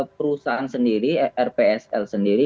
perusahaan sendiri rpsl sendiri